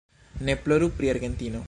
Ne ploru pri Argentino!